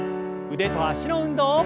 腕と脚の運動。